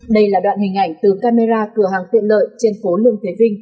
đây là đoạn hình ảnh từ camera cửa hàng tiện lợi trên phố lương thế vinh